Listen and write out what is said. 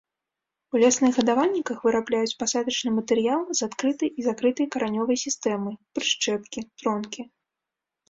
У лясных гадавальніках вырабляюць пасадачны матэрыял з адкрытай і закрытай каранёвай сістэмай, прышчэпкі, тронкі.